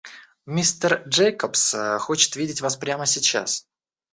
Мистер Джейкобс хочет видеть вас прямо сейчас.